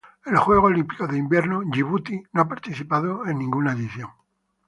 En los Juegos Olímpicos de Invierno Yibuti no ha participado en ninguna edición.